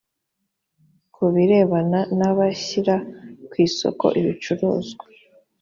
ku birebana n abashyira ku isoko ibicuruzwa